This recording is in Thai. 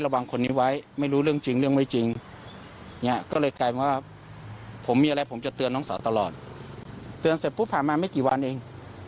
ผมจะเตือนน้องสาวตลอดเตือนเสร็จปุ๊บผ่านมาไม่กี่วันเอง